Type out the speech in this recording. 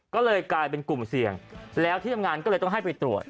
ก็เลยกลายเป็นกลุ่มเสี่ยงแล้วที่ทำงานก็เลยต้องให้ไปตรวจ